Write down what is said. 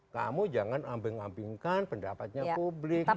kamu jangan ambing ambingkan pendapatnya publik